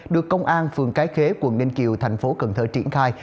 được công an phường cái khế quận ninh kiều thành phố cần thơ triển khai